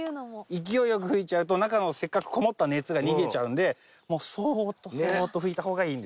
勢いよく吹いちゃうと中のせっかくこもった熱が逃げちゃうんでもうそっとそっと吹いた方がいいんですよ。